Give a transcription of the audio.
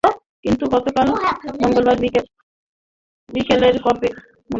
কিন্তু গতকাল মঙ্গলবার বিকেলেও কপিলের মুঠোফোন থেকে এসেছে মুক্তিপণ চেয়ে খুদে বার্তা।